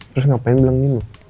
terus ngapain bilang ini